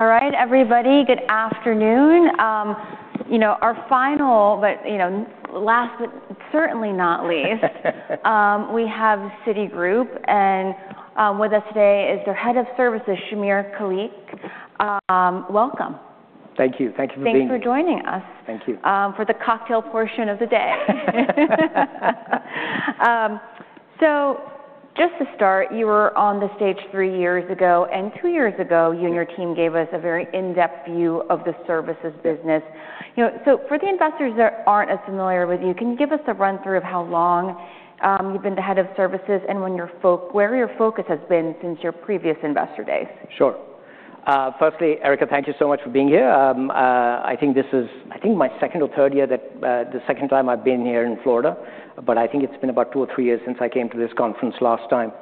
All right, everybody, good afternoon. You know, our final but, you know, last but certainly not least, we have Citigroup, and with us today is their Head of Services, Shahmir Khaliq. Welcome. Thank you. Thank you for being here. Thanks for joining us. Thank you. for the cocktail portion of the day. So just to start, you were on the stage three years ago, and two years ago, you and your team gave us a very in-depth view of the Services business. You know, so for the investors that aren't as familiar with you, can you give us a run-through of how long you've been the head of Services and where your focus has been since your previous Investor Day? Sure. Firstly, Erika, thank you so much for being here. I think this is, I think, my second or third year that, the second time I've been here in Florida, but I think it's been about two or three years since I came to this conference last time,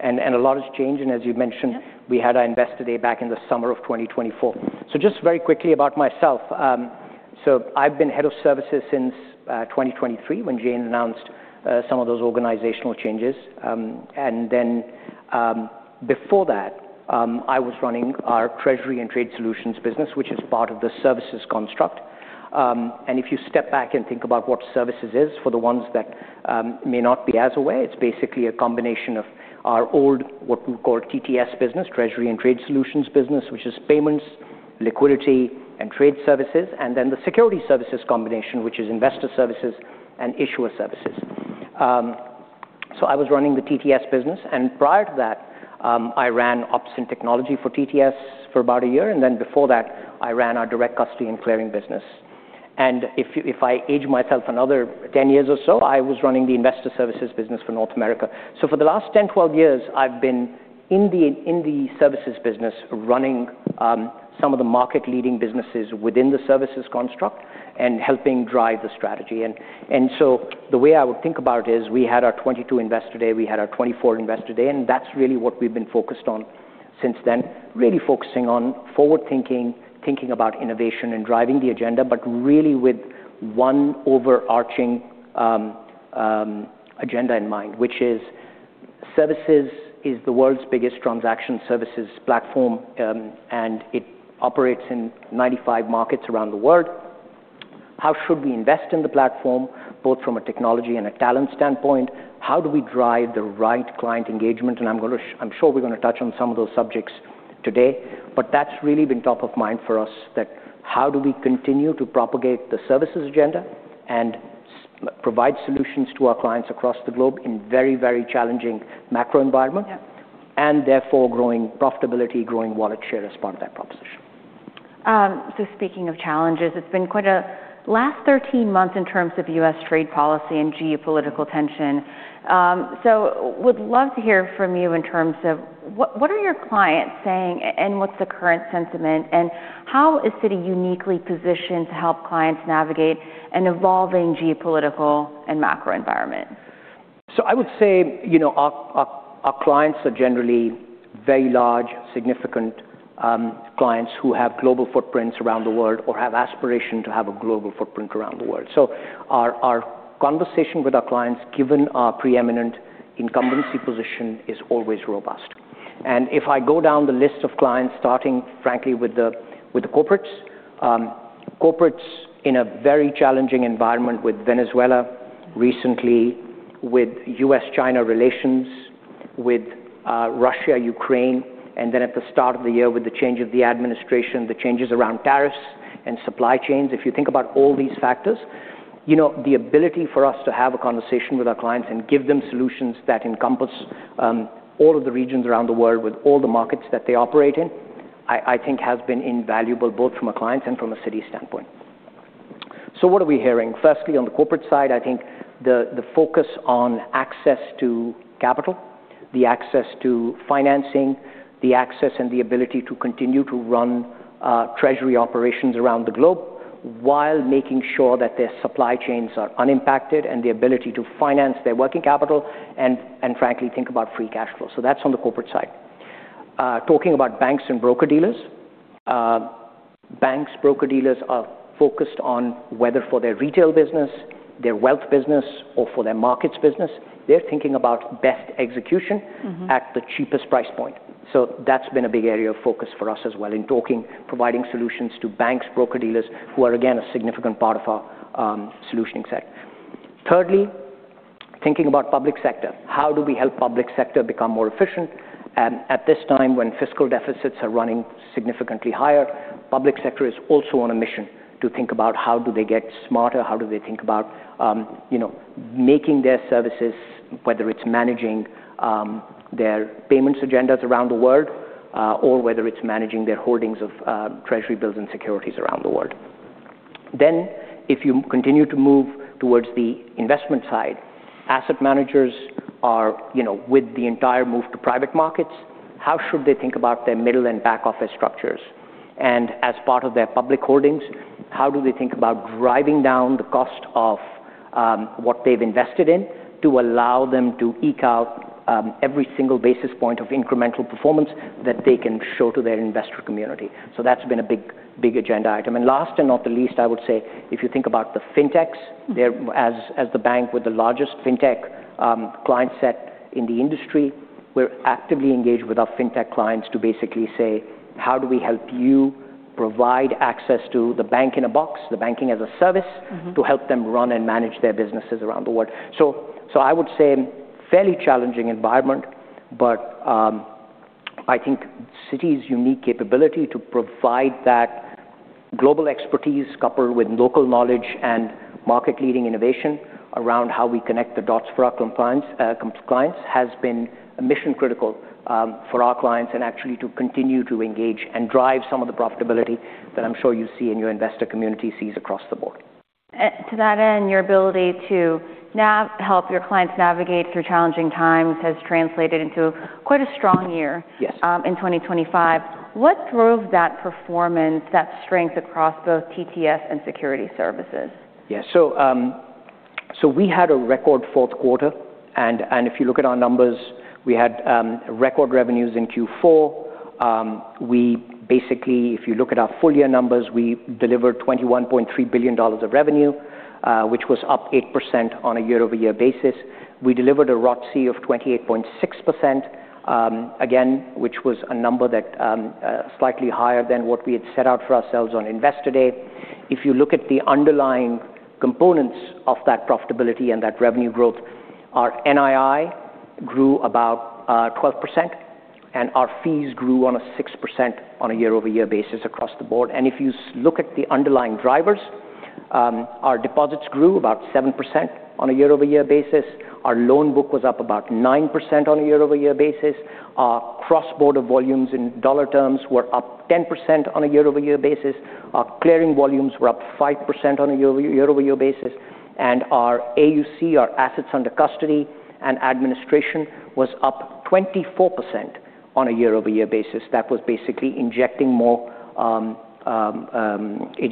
and a lot has changed. And as you mentioned- Yeah... we had our Investor Day back in the summer of 2024. So just very quickly about myself. I've been Head of Services since 2023, when Jane announced some of those organizational changes. And then, before that, I was running our Treasury and Trade Solutions business, which is part of the Services construct. And if you step back and think about what Services is, for the ones that may not be as aware, it's basically a combination of our old, what we call TTS business, Treasury and Trade Solutions business, which is payments, liquidity, and trade services, and then the Securities Services combination, which is Investor Services and Issuer Services. So I was running the TTS business, and prior to that, I ran Ops and Technology for TTS for about a year, and then before that, I ran our Direct Custody and Clearing business. And if you, if I age myself another 10 years or so, I was running the Investor Services business for North America. So for the last 10, 12 years, I've been in the, in the Services business, running some of the market-leading businesses within the services construct and helping drive the strategy. And so the way I would think about it is we had our 2022 Investor Day, we had our 2024 Investor Day, and that's really what we've been focused on since then. Really focusing on forward thinking, thinking about innovation and driving the agenda, but really with one overarching agenda in mind, which is Services is the world's biggest transaction services platform, and it operates in 95 markets around the world. How should we invest in the platform, both from a technology and a talent standpoint? How do we drive the right client engagement? And I'm going to... I'm sure we're going to touch on some of those subjects today, but that's really been top of mind for us, that how do we continue to propagate the Services agenda and provide solutions to our clients across the globe in very, very challenging macro environment- Yeah... and therefore, growing profitability, growing wallet share as part of that proposition. So speaking of challenges, it's been quite a last 13 months in terms of U.S. trade policy and geopolitical tension. So would love to hear from you in terms of what, what are your clients saying, and what's the current sentiment, and how is Citi uniquely positioned to help clients navigate an evolving geopolitical and macro environment? So I would say, you know, our clients are generally very large, significant clients who have global footprints around the world or have aspiration to have a global footprint around the world. So our conversation with our clients, given our preeminent incumbency position, is always robust. And if I go down the list of clients, starting, frankly, with the corporates in a very challenging environment with Venezuela recently, with U.S.-China relations, with Russia-Ukraine, and then at the start of the year, with the change of the administration, the changes around tariffs and supply chains. If you think about all these factors, you know, the ability for us to have a conversation with our clients and give them solutions that encompass all of the regions around the world with all the markets that they operate in, I think has been invaluable, both from a client and from a Citi standpoint. So what are we hearing? Firstly, on the corporate side, I think the focus on access to capital, the access to financing, the access and the ability to continue to run treasury operations around the globe while making sure that their supply chains are unimpacted and the ability to finance their working capital and frankly think about free cash flow. So that's on the corporate side. Talking about banks and broker-dealers. Banks, broker-dealers are focused on whether, for their retail business, their Wealth business, or for their markets business, they're thinking about best execution- Mm-hmm... at the cheapest price point. So that's been a big area of focus for us as well in talking, providing solutions to banks, broker-dealers, who are, again, a significant part of our solutioning set. Thirdly, thinking about public sector. How do we help public sector become more efficient? And at this time, when fiscal deficits are running significantly higher, public sector is also on a mission to think about how do they get smarter, how do they think about, you know, making their Services, whether it's managing their payments agendas around the world, or whether it's managing their holdings of treasury bills and securities around the world. Then, if you continue to move towards the investment side, asset managers are, you know, with the entire move to private markets, how should they think about their middle and back office structures? And as part of their public holdings, how do they think about driving down the cost of what they've invested in to allow them to eke out every single basis point of incremental performance that they can show to their investor community. So that's been a big, big agenda item. And last and not the least, I would say, if you think about the fintechs, they're, as the bank with the largest fintech client set in the industry, we're actively engaged with our fintech clients to basically say: How do we help you provide access to the Bank-in-a-Box, the Banking-as-a-Service- Mm-hmm. -to help them run and manage their businesses around the world? So, I would say fairly challenging environment, but, I think Citi's unique capability to provide that global expertise, coupled with local knowledge and market-leading innovation around how we connect the dots for our complex clients, has been mission critical, for our clients, and actually to continue to engage and drive some of the profitability that I'm sure you see, and your investor community sees across the board. To that end, your ability to help your clients navigate through challenging times has translated into quite a strong year. Yes. In 2025. What drove that performance, that strength across both TTS and Securities Services? Yeah. So, we had a record fourth quarter, and if you look at our numbers, we had record revenues in Q4. We basically, if you look at our full year numbers, we delivered $21.3 billion of revenue, which was up 8% on a year-over-year basis. We delivered a ROTCE of 28.6%, again, which was a number that slightly higher than what we had set out for ourselves on Investor Day. If you look at the underlying components of that profitability and that revenue growth, our NII grew about 12%, and our fees grew 6% on a year-over-year basis across the board. And if you look at the underlying drivers, our deposits grew about 7% on a year-over-year basis. Our loan book was up about 9% on a year-over-year basis. Our cross-border volumes in dollar terms were up 10% on a year-over-year basis. Our clearing volumes were up 5% on a year-over-year basis, and our AUC, our Assets Under Custody and Administration, was up 24% on a year-over-year basis. That was basically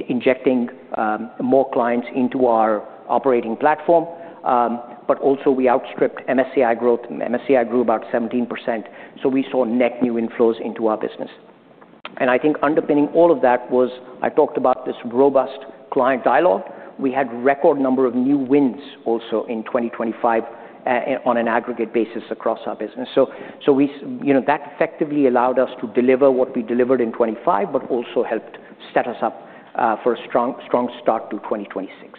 injecting more clients into our operating platform. But also we outstripped MSCI growth. MSCI grew about 17%, so we saw net new inflows into our business. And I think underpinning all of that was, I talked about this robust client dialogue. We had record number of new wins also in 2025, on an aggregate basis across our business. So we, you know, that effectively allowed us to deliver what we delivered in 2025, but also helped set us up for a strong, strong start to 2026.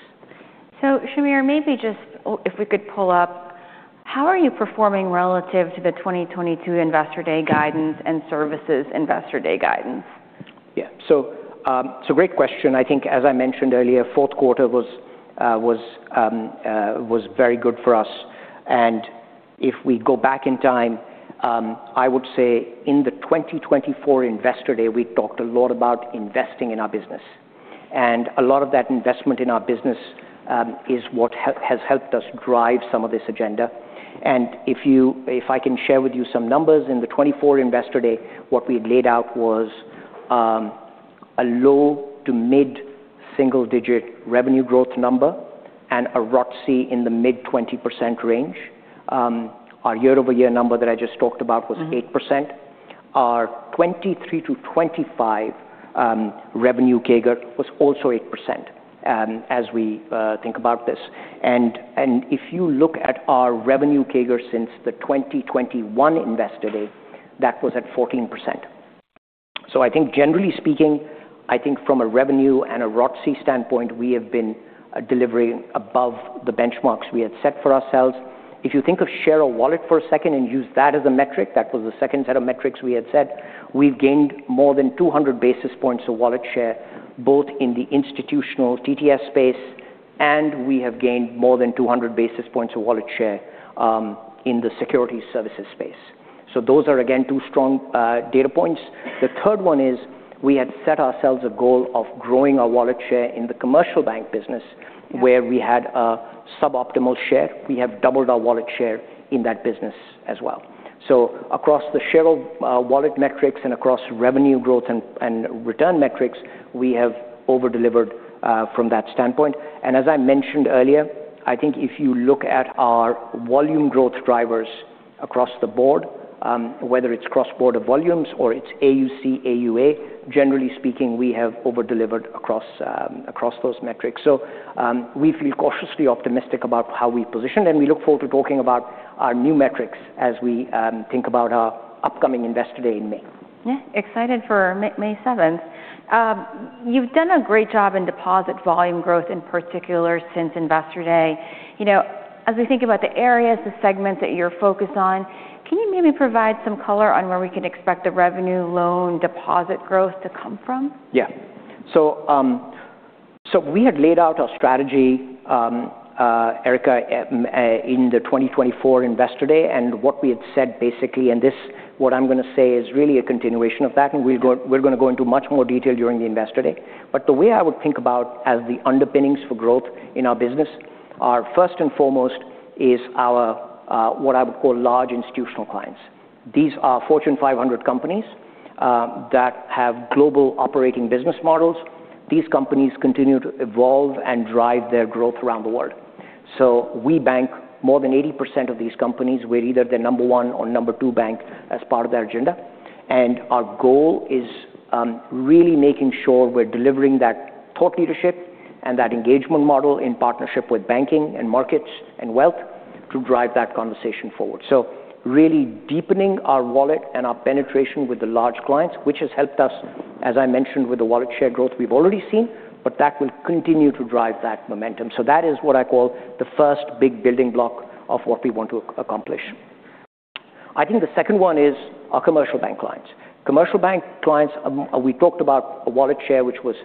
So, Shahmir, maybe just, oh, if we could pull up, how are you performing relative to the 2022 Investor Day guidance and Services Investor Day guidance? Yeah. So, it's a great question. I think, as I mentioned earlier, fourth quarter was very good for us. And if we go back in time, I would say in the 2024 Investor Day, we talked a lot about investing in our business. And a lot of that investment in our business is what has helped us drive some of this agenda. And if I can share with you some numbers, in the 2024 Investor Day, what we had laid out was a low to mid-single-digit revenue growth number and a ROTCE in the mid-20% range. Our year-over-year number that I just talked about- Mm-hmm. was 8%. Our 2023-2025 revenue CAGR was also 8%, as we think about this. And if you look at our revenue CAGR since the 2021 Investor Day, that was at 14%. So I think generally speaking, I think from a revenue and a ROTCE standpoint, we have been delivering above the benchmarks we had set for ourselves. If you think of share of wallet for a second and use that as a metric, that was the second set of metrics we had set. We've gained more than 200 basis points of wallet share, both in the institutional TTS space, and we have gained more than 200 basis points of wallet share in the Securities Services space. So those are, again, two strong data points. The third one is we had set ourselves a goal of growing our wallet share in the Commercial Bank business- Yeah... where we had a suboptimal share. We have doubled our wallet share in that business as well. So across the share of wallet metrics and across revenue growth and return metrics, we have over-delivered from that standpoint. And as I mentioned earlier, I think if you look at our volume growth drivers across the board, whether it's cross-border volumes or it's AUC, AUA, generally speaking, we have over-delivered across those metrics. So we feel cautiously optimistic about how we position, and we look forward to talking about our new metrics as we think about our upcoming Investor Day in May. Yeah, excited for May 7th. You've done a great job in deposit volume growth, in particular since Investor Day. You know, as we think about the areas, the segments that you're focused on, can you maybe provide some color on where we can expect the revenue loan deposit growth to come from? Yeah. So, we had laid out our strategy, Erika, in the 2024 Investor Day, and what we had said, basically, and this, what I'm gonna say, is really a continuation of that, and we're go- we're gonna go into much more detail during the Investor Day. But the way I would think about as the underpinnings for growth in our business are, first and foremost, is our, what I would call large institutional clients. These are Fortune 500 companies... that have global operating business models. These companies continue to evolve and drive their growth around the world. So we bank more than 80% of these companies. We're either their number one or number two bank as part of their agenda, and our goal is, really making sure we're delivering that thought leadership and that engagement model in partnership with Banking and Markets and Wealth to drive that conversation forward. So really deepening our wallet and our penetration with the large clients, which has helped us, as I mentioned, with the wallet share growth we've already seen, but that will continue to drive that momentum. So that is what I call the first big building block of what we want to accomplish. I think the second one is our Commercial Bank clients. Commercial Bank clients, we talked about a wallet share, which was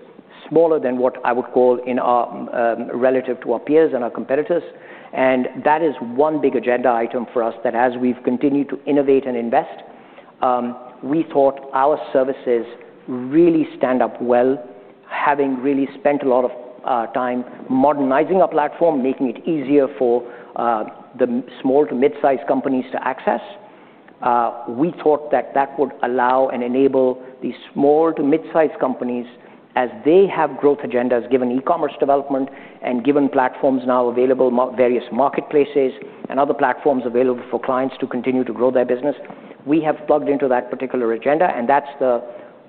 smaller than what I would call in our relative to our peers and our competitors, and that is one big agenda item for us, that as we've continued to innovate and invest, we thought our Services really stand up well, having really spent a lot of time modernizing our platform, making it easier for the small to mid-sized companies to access. We thought that that would allow and enable these small to mid-sized companies as they have growth agendas, given e-commerce development and given platforms now available, various marketplaces and other platforms available for clients to continue to grow their business. We have plugged into that particular agenda, and that's the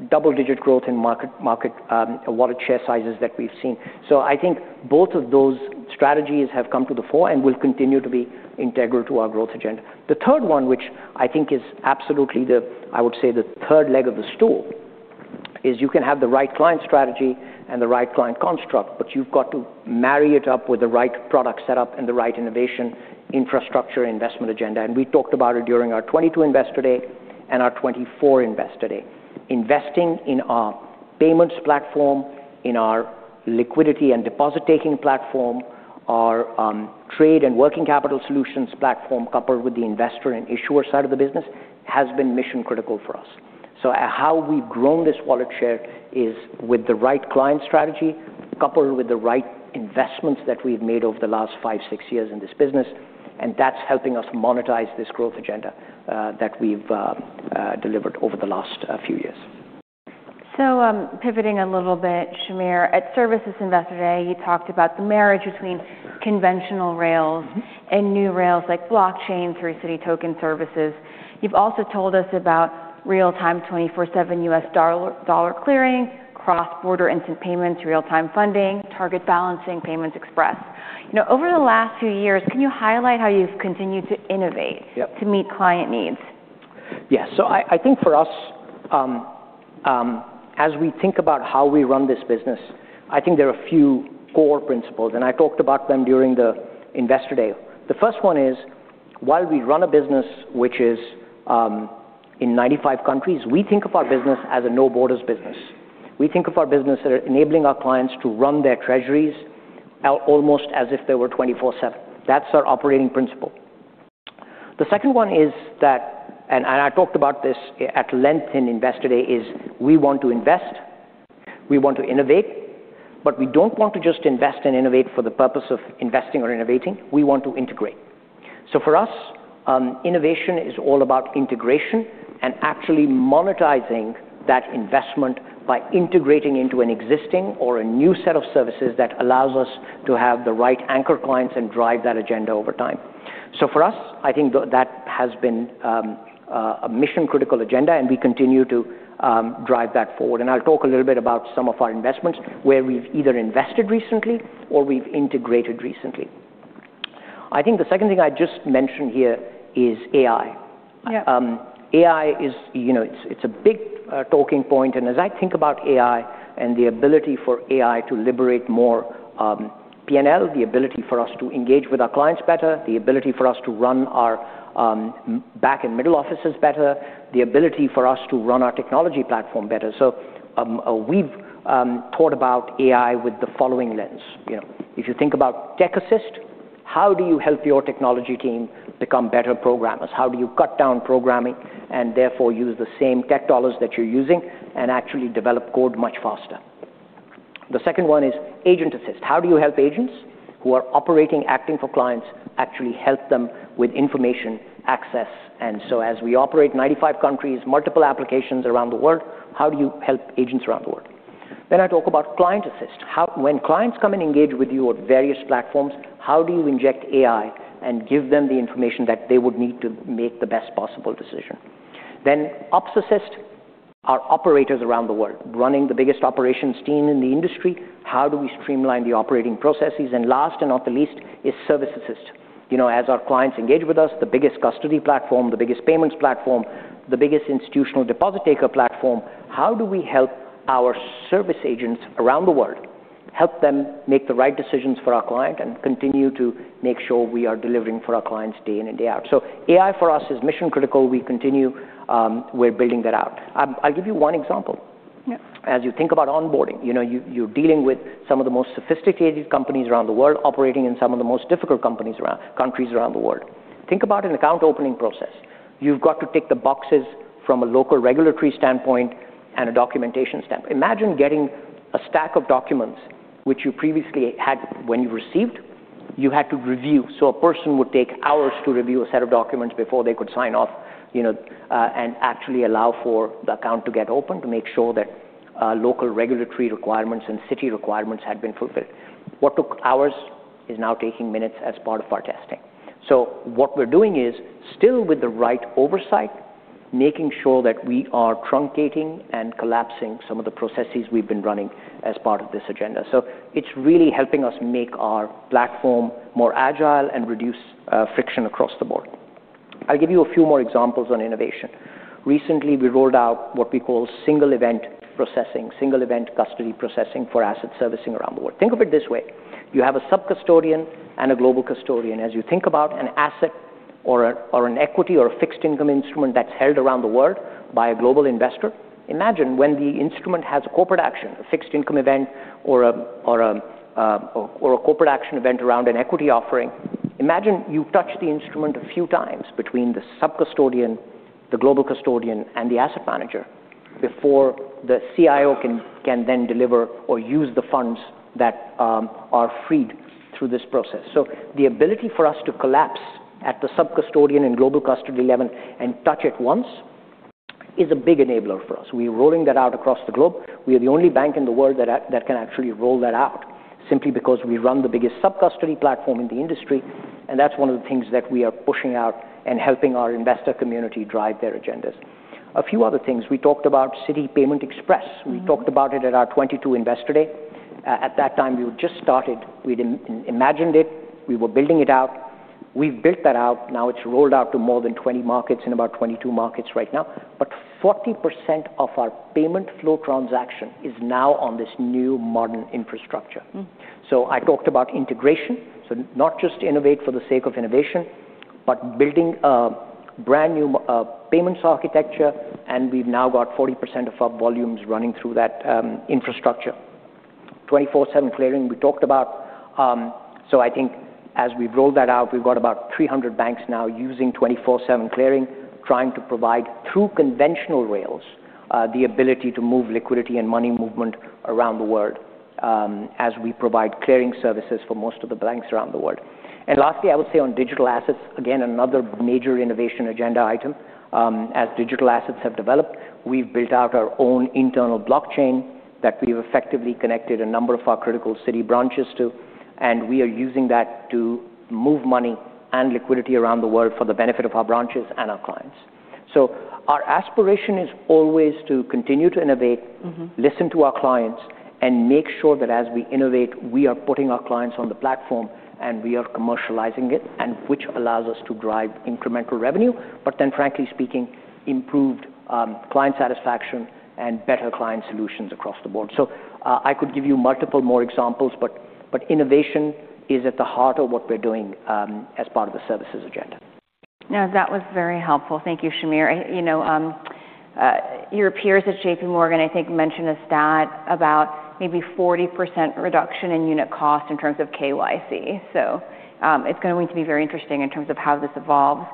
double-digit growth in market wallet share sizes that we've seen. So I think both of those strategies have come to the fore and will continue to be integral to our growth agenda. The third one, which I think is absolutely the... I would say, the third leg of the stool, is you can have the right client strategy and the right client construct, but you've got to marry it up with the right product setup and the right innovation infrastructure investment agenda. We talked about it during our 2022 Investor Day and our 2024 Investor Day. Investing in our payments platform, in our liquidity and deposit-taking platform, our trade and working capital solutions platform, coupled with the investor and issuer side of the business, has been mission-critical for us. So how we've grown this wallet share is with the right client strategy, coupled with the right investments that we've made over the last 5, 6 years in this business, and that's helping us monetize this growth agenda that we've delivered over the last few years. So, pivoting a little bit, Shahmir, at Services Investor Day, you talked about the marriage between conventional rails and new rails, like blockchain through Citi Token Services. You've also told us about real-time 24/7 U.S. dollar clearing, cross-border instant payments, real-time funding, target balancing, Citi Payment Express. You know, over the last few years, can you highlight how you've continued to innovate? Yep. to meet client needs? Yes. So I think for us, as we think about how we run this business, I think there are a few core principles, and I talked about them during the Investor Day. The first one is, while we run a business, which is in 95 countries, we think of our business as a no borders business. We think of our business as enabling our clients to run their treasuries almost as if they were 24/7. That's our operating principle. The second one is that, and I talked about this at length in Investor Day, is we want to invest, we want to innovate, but we don't want to just invest and innovate for the purpose of investing or innovating. We want to integrate. So for us, innovation is all about integration and actually monetizing that investment by integrating into an existing or a new set of services that allows us to have the right anchor clients and drive that agenda over time. So for us, I think that has been a mission-critical agenda, and we continue to drive that forward. And I'll talk a little bit about some of our investments, where we've either invested recently or we've integrated recently. I think the second thing I just mentioned here is AI. Yeah. AI is, you know, it's, it's a big talking point, and as I think about AI and the ability for AI to liberate more, PNL, the ability for us to engage with our clients better, the ability for us to run our, back and middle offices better, the ability for us to run our technology platform better. So, we've thought about AI with the following lens. You know, if you think about Tech Assist, how do you help your technology team become better programmers? How do you cut down programming and therefore use the same tech dollars that you're using and actually develop code much faster? The second one is Agent Assist. How do you help agents who are operating, acting for clients, actually help them with information access? And so as we operate in 95 countries, multiple applications around the world, how do you help agents around the world? Then I talk about Client Assist. How, when clients come and engage with you on various platforms, how do you inject AI and give them the information that they would need to make the best possible decision? Then Ops Assist, our operators around the world, running the biggest operations team in the industry, how do we streamline the operating processes? And last, and not the least, is Service Assist. You know, as our clients engage with us, the biggest custody platform, the biggest payments platform, the biggest institutional deposit taker platform, how do we help our service agents around the world, help them make the right decisions for our client and continue to make sure we are delivering for our clients day in and day out? So AI for us is mission-critical. We continue, we're building that out. I'll give you one example. Yeah. As you think about onboarding, you know, you're dealing with some of the most sophisticated companies around the world, operating in some of the most difficult countries around the world. Think about an account opening process. You've got to tick the boxes from a local regulatory standpoint and a documentation standpoint. Imagine getting a stack of documents which you previously had when you received... you had to review. So a person would take hours to review a set of documents before they could sign off, you know, and actually allow for the account to get open to make sure that local regulatory requirements and Citi requirements had been fulfilled. What took hours is now taking minutes as part of our testing. So what we're doing is, still with the right oversight, making sure that we are truncating and collapsing some of the processes we've been running as part of this agenda. So it's really helping us make our platform more agile and reduce friction across the board. I'll give you a few more examples on innovation. Recently, we rolled out what we call Single Event Processing, Single Event Custody Processing for asset servicing around the world. Think of it this way: You have a sub-custodian and a global custodian. As you think about an asset or an equity, or a fixed income instrument that's held around the world by a global investor, imagine when the instrument has a corporate action, a fixed income event, or a corporate action event around an equity offering. Imagine you touch the instrument a few times between the sub-custodian, the global custodian, and the asset manager before the CIO can then deliver or use the funds that are freed through this process. So the ability for us to collapse at the sub-custodian and global custody level and touch it once is a big enabler for us. We're rolling that out across the globe. We are the only bank in the world that can actually roll that out, simply because we run the biggest sub-custody platform in the industry, and that's one of the things that we are pushing out and helping our investor community drive their agendas. A few other things. We talked about Citi Payment Express. Mm-hmm. We talked about it at our 2022 Investor Day. At that time, we had just started. We'd imagined it. We were building it out. We've built that out. Now it's rolled out to more than 20 markets, in about 22 markets right now. But 40% of our payment flow transaction is now on this new modern infrastructure. Mm. So I talked about integration. So not just innovate for the sake of innovation, but building a brand-new payments architecture, and we've now got 40% of our volumes running through that infrastructure. 24/7 clearing, we talked about. So I think as we've rolled that out, we've got about 300 banks now using 24/7 clearing, trying to provide, through conventional rails, the ability to move liquidity and money movement around the world, as we provide clearing services for most of the banks around the world. And lastly, I would say on digital assets, again, another major innovation agenda item. As digital assets have developed, we've built out our own internal blockchain that we've effectively connected a number of our critical Citi branches to, and we are using that to move money and liquidity around the world for the benefit of our branches and our clients. So our aspiration is always to continue to innovate- Mm-hmm. Listen to our clients, and make sure that as we innovate, we are putting our clients on the platform, and we are commercializing it, and which allows us to drive incremental revenue, but then, frankly speaking, improved client satisfaction and better client solutions across the board. So, I could give you multiple more examples, but, but innovation is at the heart of what we're doing, as part of the Services agenda. Now, that was very helpful. Thank you, Shahmir. You know, your peers at J.P. Morgan, I think, mentioned a stat about maybe 40% reduction in unit cost in terms of KYC. So, it's going to be very interesting in terms of how this evolves.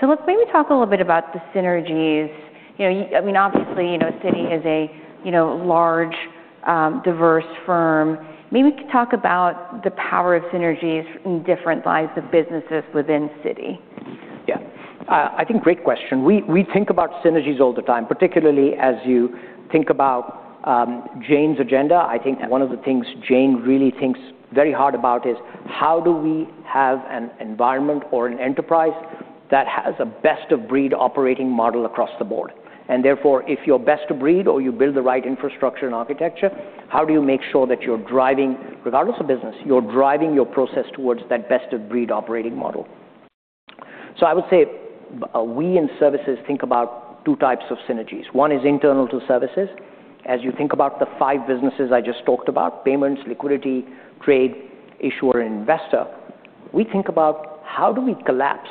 So let's maybe talk a little bit about the synergies. You know, I mean, obviously, you know, Citi is a, you know, large, diverse firm. Maybe we could talk about the power of synergies in different lines of businesses within Citi. Yeah. I think great question. We, we think about synergies all the time, particularly as you think about, Jane's agenda. Yes. I think one of the things Jane really thinks very hard about is: How do we have an environment or an enterprise that has a best-of-breed operating model across the board? And therefore, if you're best of breed or you build the right infrastructure and architecture, how do you make sure that you're driving... regardless of business, you're driving your process towards that best-of-breed operating model? So I would say we in Services think about two types of synergies. One is internal to Services. As you think about the five businesses I just talked about, payments, liquidity, trade, issuer, and investor, we think about: How do we collapse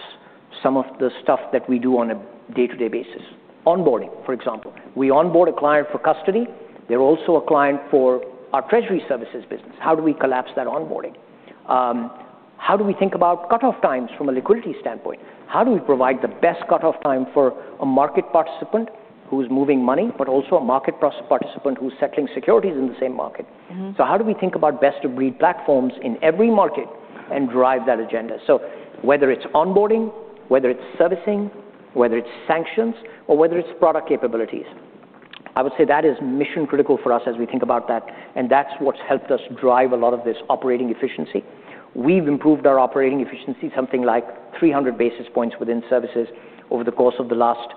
some of the stuff that we do on a day-to-day basis? Onboarding, for example. We onboard a client for custody. They're also a client for our treasury services business. How do we collapse that onboarding? How do we think about cut-off times from a liquidity standpoint? How do we provide the best cut-off time for a market participant who's moving money, but also a market participant who's settling securities in the same market? Mm-hmm. So how do we think about best-of-breed platforms in every market and drive that agenda? So whether it's onboarding, whether it's servicing, whether it's sanctions, or whether it's product capabilities, I would say that is mission-critical for us as we think about that, and that's what's helped us drive a lot of this operating efficiency. We've improved our operating efficiency, something like 300 basis points within Services over the course of the last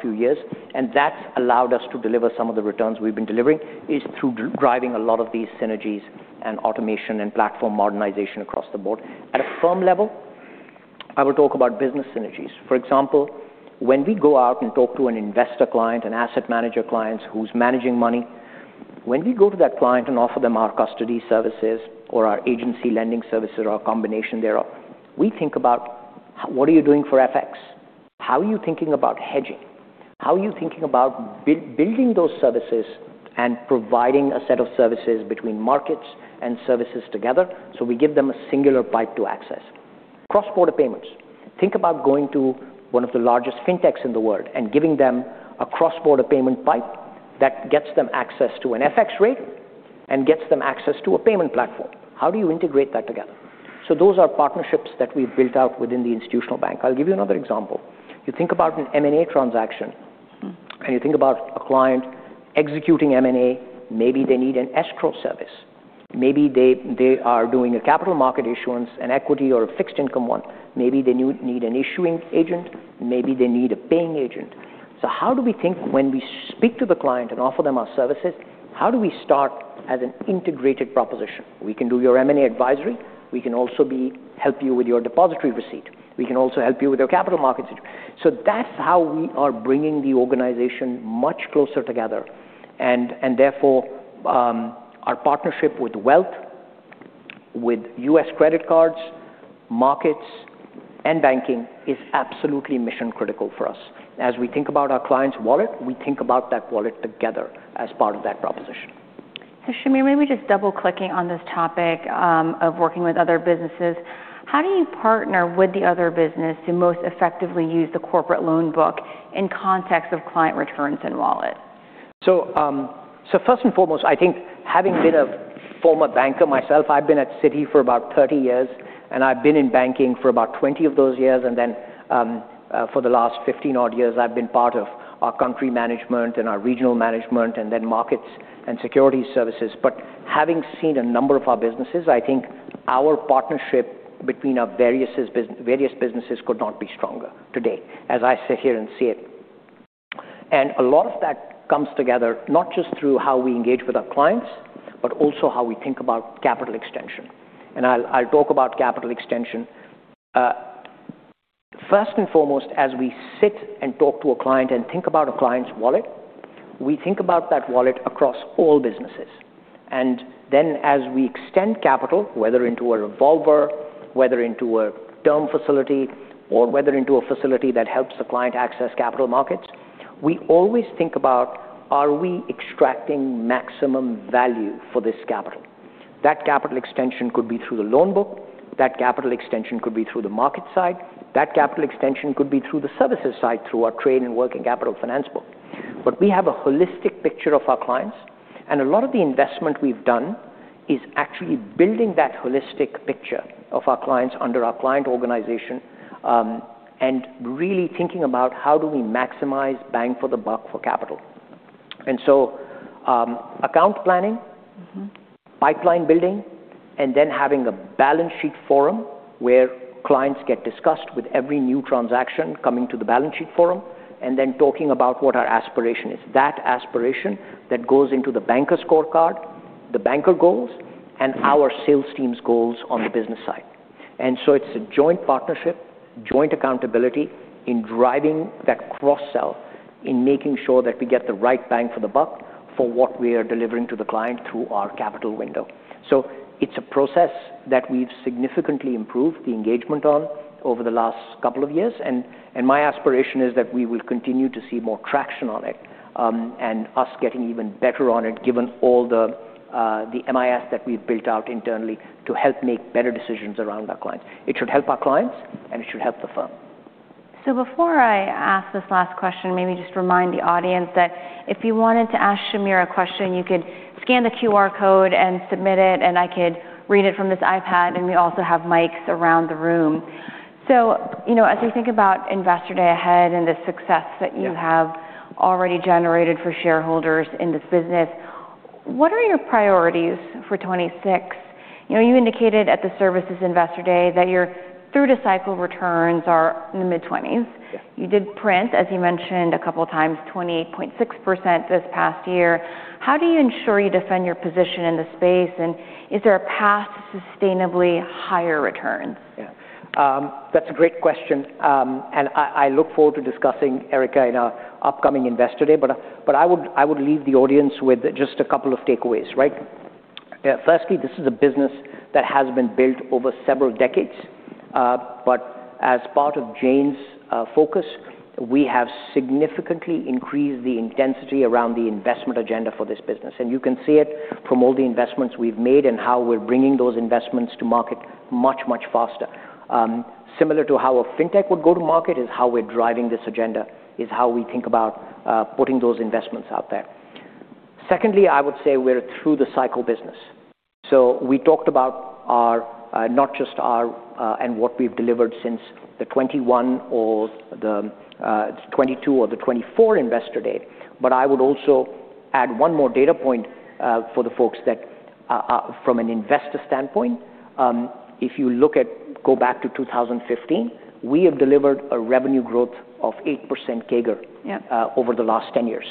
few years, and that's allowed us to deliver some of the returns we've been delivering, is through driving a lot of these synergies and automation and platform modernization across the board. At a firm level, I would talk about business synergies. For example, when we go out and talk to an investor client, an asset manager client who's managing money, when we go to that client and offer them our custody services or our agency lending services or a combination thereof, we think about: What are you doing for FX? How are you thinking about hedging? How are you thinking about building those services and providing a set of services between markets and services together so we give them a singular pipe to access cross-border payments? Think about going to one of the largest fintechs in the world and giving them a cross-border payment pipe that gets them access to an FX rate and gets them access to a payment platform. How do you integrate that together? So those are partnerships that we've built out within the institutional bank. I'll give you another example. You think about an M&A transaction, and you think about a client executing M&A. Maybe they need an escrow service. Maybe they are doing a capital market issuance, an equity or a fixed income one. Maybe they need an issuing agent. Maybe they need a paying agent. So how do we think when we speak to the client and offer them our services, how do we start as an integrated proposition? We can do your M&A advisory. We can also help you with your depository receipt. We can also help you with your capital markets. So that's how we are bringing the organization much closer together, and therefore, our partnership with Wealth, with U.S. Credit Cards, Markets, and Banking is absolutely mission-critical for us. As we think about our client's wallet, we think about that wallet together as part of that proposition. So Shahmir, maybe just double-clicking on this topic of working with other businesses. How do you partner with the other business to most effectively use the corporate loan book in context of client returns and wallet? First and foremost, I think having been a former banker myself, I've been at Citi for about 30 years, and I've been in banking for about 20 of those years, and then, for the last 15-odd years, I've been part of our country management and our regional management, and then markets and Securities Services. But having seen a number of our businesses, I think our partnership between our various businesses could not be stronger today, as I sit here and see it. And a lot of that comes together not just through how we engage with our clients, but also how we think about capital extension, and I'll talk about capital extension. First and foremost, as we sit and talk to a client and think about a client's wallet, we think about that wallet across all businesses. And then, as we extend capital, whether into a revolver, whether into a term facility, or whether into a facility that helps the client access capital markets, we always think about, are we extracting maximum value for this capital? That capital extension could be through the loan book. That capital extension could be through the market side. That capital extension could be through the Services side, through our trade and working capital finance book. But we have a holistic picture of our clients, and a lot of the investment we've done is actually building that holistic picture of our clients under our client organization, and really thinking about how do we maximize bang for the buck for capital. And so, account planning- Mm-hmm. Pipeline building, and then having a balance sheet forum where clients get discussed with every new transaction coming to the balance sheet forum, and then talking about what our aspiration is. That aspiration that goes into the banker scorecard, the banker goals, and our sales team's goals on the business side. And so it's a joint partnership, joint accountability in driving that cross-sell, in making sure that we get the right bang for the buck for what we are delivering to the client through our capital window. So it's a process that we've significantly improved the engagement on over the last couple of years, and my aspiration is that we will continue to see more traction on it, and us getting even better on it, given all the the MIS that we've built out internally to help make better decisions around our clients. It should help our clients, and it should help the firm. So before I ask this last question, maybe just remind the audience that if you wanted to ask Shahmir a question, you could scan the QR code and submit it, and I could read it from this iPad, and we also have mics around the room. So, you know, as we think about Investor Day ahead and the success that- Yeah... you have already generated for shareholders in this business, what are your priorities for 2026? You know, you indicated at the Services Investor Day that your through-the-cycle returns are in the mid-20s. Yeah. You did print, as you mentioned a couple of times, 20.6% this past year. How do you ensure you defend your position in the space, and is there a path to sustainably higher returns? Yeah, that's a great question. And I look forward to discussing, Erika, in our upcoming Investor Day, but I would leave the audience with just a couple of takeaways, right? Firstly, this is a business that has been built over several decades, but as part of Jane's focus, we have significantly increased the intensity around the investment agenda for this business. And you can see it from all the investments we've made and how we're bringing those investments to market much, much faster. Similar to how a fintech would go to market is how we're driving this agenda, is how we think about putting those investments out there. Secondly, I would say we're a through-the-cycle business. So we talked about our not just our... and what we've delivered since the 2021 or the 2022 or the 2024 Investor Day. But I would also add one more data point for the folks that from an investor standpoint, if you look at, go back to 2015, we have delivered a revenue growth of 8% CAGR- Yeah... over the last 10 years.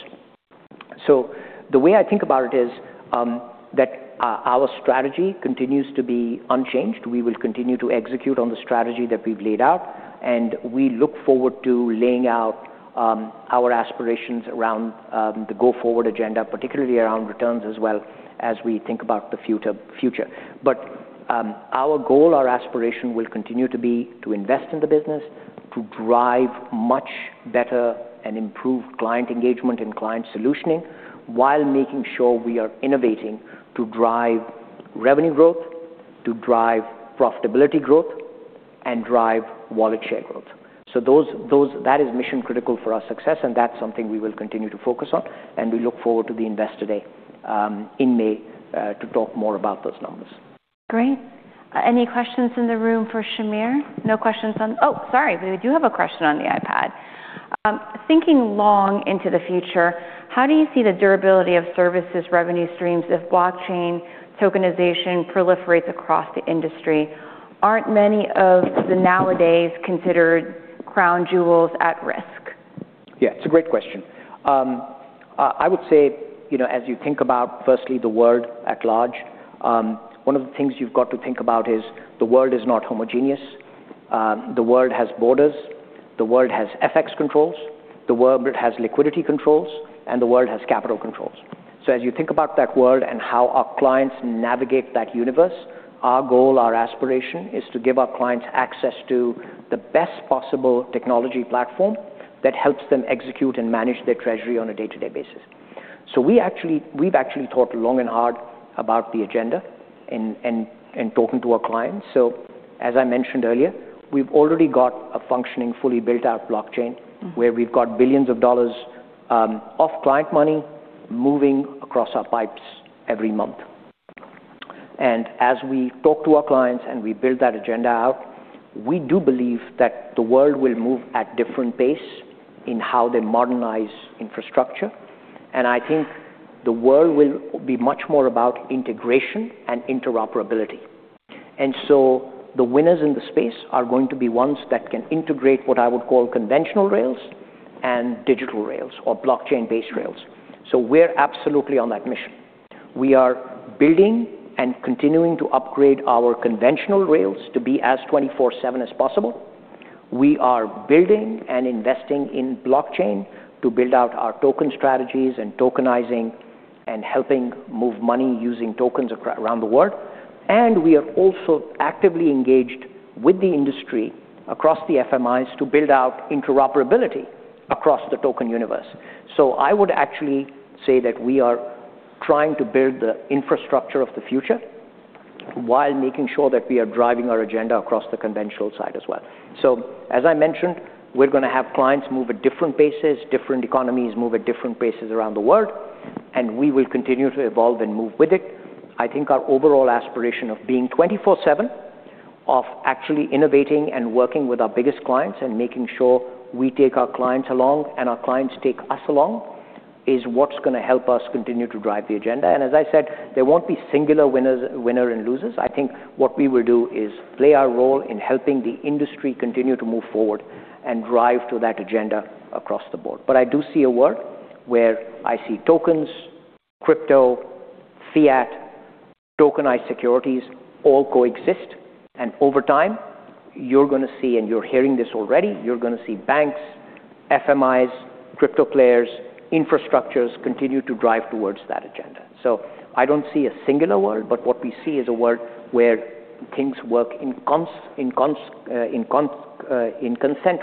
So the way I think about it is, that our strategy continues to be unchanged. We will continue to execute on the strategy that we've laid out, and we look forward to laying out our aspirations around the go-forward agenda, particularly around returns, as well as we think about the future. But our goal, our aspiration, will continue to be to invest in the business to drive much better and improved client engagement and client solutioning, while making sure we are innovating to drive revenue growth, to drive profitability growth, and drive wallet share growth. So that is mission critical for our success, and that's something we will continue to focus on, and we look forward to the Investor Day in May to talk more about those numbers. Great. Any questions in the room for Shahmir? No questions on... Oh, sorry, we do have a question on the iPad. Thinking long into the future, how do you see the durability of services revenue streams if blockchain tokenization proliferates across the industry? Aren't many of the nowadays considered crown jewels at risk? Yeah, it's a great question. I would say, you know, as you think about, firstly, the world at large, one of the things you've got to think about is the world is not homogeneous. The world has borders, the world has FX controls, the world has liquidity controls, and the world has capital controls. So as you think about that world and how our clients navigate that universe, our goal, our aspiration, is to give our clients access to the best possible technology platform that helps them execute and manage their treasury on a day-to-day basis. So we've actually thought long and hard about the agenda and talking to our clients. So as I mentioned earlier, we've already got a functioning, fully built-out blockchain, where we've got billions of dollars of client money moving across our pipes every month. As we talk to our clients and we build that agenda out, we do believe that the world will move at different pace in how they modernize infrastructure, and I think the world will be much more about integration and interoperability. So the winners in the space are going to be ones that can integrate what I would call conventional rails and digital rails or blockchain-based rails. We're absolutely on that mission. We are building and continuing to upgrade our conventional rails to be as 24/7 as possible. We are building and investing in blockchain to build out our token strategies and tokenizing and helping move money using tokens around the world. We are also actively engaged with the industry across the FMIs to build out interoperability across the token universe. So I would actually say that we are trying to build the infrastructure of the future while making sure that we are driving our agenda across the conventional side as well. So as I mentioned, we're gonna have clients move at different paces, different economies move at different paces around the world, and we will continue to evolve and move with it. I think our overall aspiration of being 24/7, of actually innovating and working with our biggest clients, and making sure we take our clients along and our clients take us along, is what's gonna help us continue to drive the agenda. And as I said, there won't be singular winners, winner and losers. I think what we will do is play our role in helping the industry continue to move forward and drive to that agenda across the board. But I do see a world where I see tokens, crypto, fiat, tokenized securities, all coexist. And over time, you're gonna see, and you're hearing this already, you're gonna see banks, FMIs, crypto players, infrastructures, continue to drive towards that agenda. So I don't see a singular world, but what we see is a world where things work in concert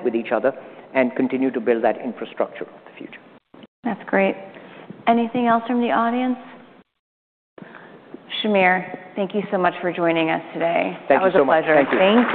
with each other and continue to build that infrastructure of the future. That's great. Anything else from the audience? Shahmir, thank you so much for joining us today. Thank you so much. That was a pleasure. Thank you.